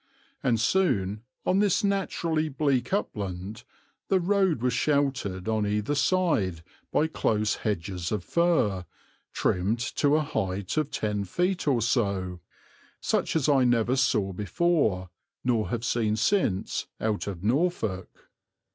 And soon, on this naturally bleak upland, the road was sheltered on either side by close hedges of fir, trimmed to a height of ten feet or so, such as I never saw before, nor have seen since, out of Norfolk.